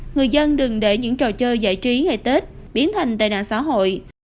người dân đừng để những trò chơi giải trí ngày tết biến thành tài nạn xã hội